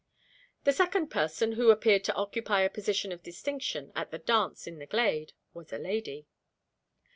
The second person, who appeared to occupy a position of distinction at the dance in the glade, was a lady.